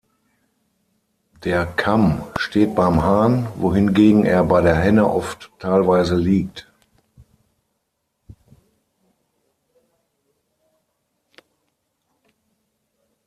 Der Kamm steht beim Hahn, wohingegen er bei der Henne oft teilweise liegt.